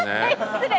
失礼。